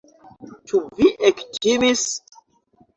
Ĉu vi ektimis?